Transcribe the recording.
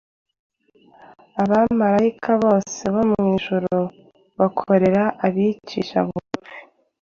Abamarayika bose bo mu ijuru bakorera abicisha bugufi,